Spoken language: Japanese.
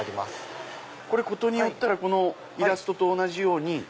これことによったらこのイラストと同じように。